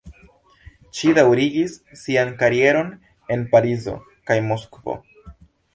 Ŝi daŭrigis sian karieron en Parizo kaj Moskvo.